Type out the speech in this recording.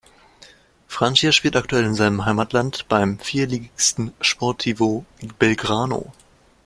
Francia spielt aktuell in seinem Heimatland beim Viertligisten Sportivo Belgrano.